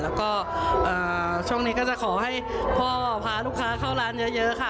แล้วก็ช่วงนี้ก็จะขอให้พ่อพาลูกค้าเข้าร้านเยอะค่ะ